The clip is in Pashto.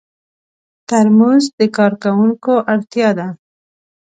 ترموز د کارکوونکو اړتیا ده.